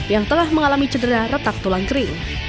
yang telah mengalami cedera retak tulang kering